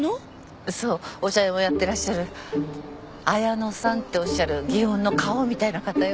そうお茶屋もやってらっしゃる綾乃さんっておっしゃる祇園の顔みたいな方よ。